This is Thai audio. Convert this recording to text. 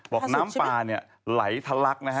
บอกน้ำป่าไหลทะลักนะครับ